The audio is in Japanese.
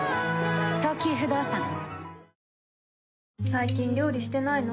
最近料理してないの？